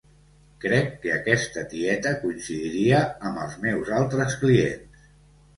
Crec que aquesta tieta coincidiria amb els meus altres clients.